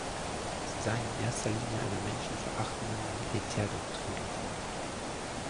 Sie seien in erster Linie einer menschenverachtenden Militärdoktrin gefolgt.